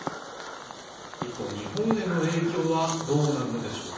一方日本への影響はどうなるのでしょうか